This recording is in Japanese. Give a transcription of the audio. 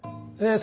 え